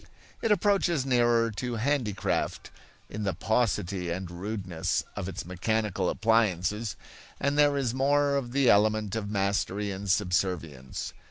It approaches nearer to handicraft, in the paucity and rudeness of its mechanical appliances, and there is more of the element of mastery and subservience.